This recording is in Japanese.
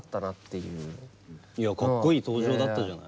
いやかっこいい登場だったじゃない。